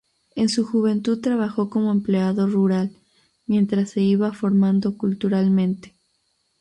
En su juventud trabajó como empleado rural, mientras se iba formando culturalmente.